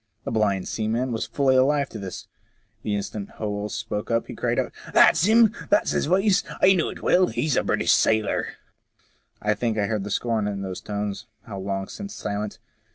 The blind seaman was fully alive to this; the instant Howell spoke he cried out, That's him ! That's his voice ! I know it well. He a British sailor !" I think I hear the scorn in those tones, how long since silent